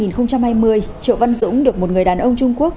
triệu văn dũng được một người đàn ông trung quốc